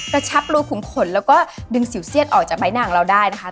กระชับรูขุมขนแล้วก็ดึงสิวเสี้ยนออกจากใบหน้าของเราได้นะคะ